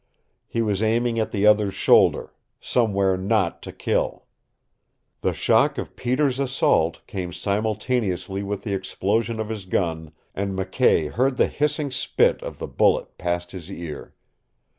He was aiming at the other's shoulder, somewhere not to kill. The shock of Peter's assault came simultaneously with the explosion of his gun, and McKay heard the hissing spit of the bullet past his ear.